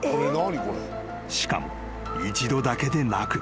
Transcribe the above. ［しかも一度だけでなく］